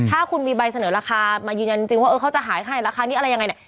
ถ้าคุณมีใบเสนอราคามายืนยันจริงว่าเขาจะหายให้ราคานี้อะไรยังไงเนี่ย